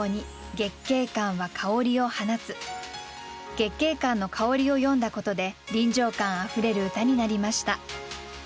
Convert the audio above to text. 月桂冠の香りを詠んだことで臨場感あふれる歌になりました。